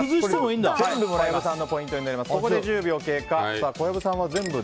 全部小籔さんのポイントになります。